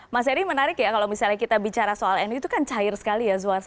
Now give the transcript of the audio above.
mas eri menarik ya kalau misalnya kita bicara soal nu itu kan cair sekali ya